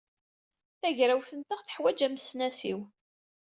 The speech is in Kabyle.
Tagrawt-nteɣ teḥwaj amesnasiw.